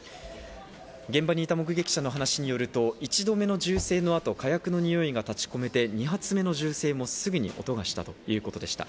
現場にいた目撃者の話によると、１度目の銃声の後、火薬のにおいが立ち込めて、２発目の銃声もすぐに音がしたということでした。